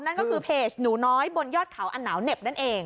นั่นก็คือเพจหนูน้อยบนยอดเขาอันหนาวเหน็บนั่นเอง